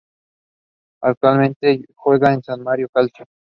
Actualmente juega en el San Marino Calcio.